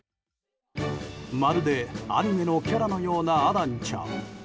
まるでアニメのキャラのようなアランちゃん。